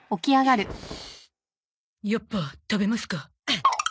やっぱ食べますか。